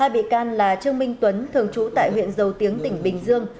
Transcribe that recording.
hai bị can là trương minh tuấn thường trú tại huyện dầu tiếng tỉnh bình dương